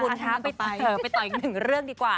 ไม่ต้องค่ะทำอย่างต่อไป